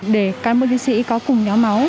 để cán bộ chiến sĩ có cùng nhóm máu